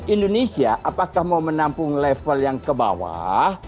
indonesia apakah mau menampung level yang ke bawah